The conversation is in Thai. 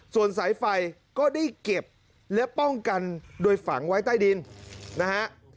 ส่วนสายไฟก็ได้เก็บและป้องกันโดยฝังไว้ใต้ดินนะฮะ